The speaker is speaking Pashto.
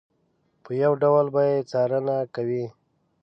په یو ډول به یې څارنه کوي.